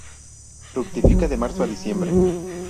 Fructifica de marzo a diciembre.